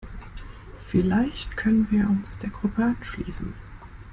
Vielleicht können wir uns der Gruppe anschließen.